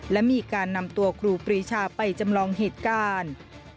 และมีการนำตัวครูปรีชาไปจำลองเหตุการณ์